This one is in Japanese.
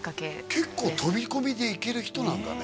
結構飛び込みで行ける人なんだね